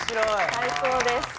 最高です。